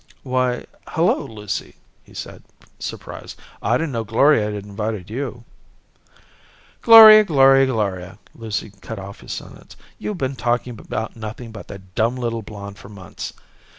"Why, hello, Lucy," he said, surprised. "I didn't know Gloria had invited you " "Gloria, Gloria, Gloria!" Lucy cut across his sentence. "You've been talking about nothing but that dumb little blonde for months."